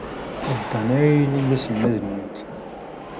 D Dan ara yilin d aselmad-nwent.